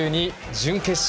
準決勝。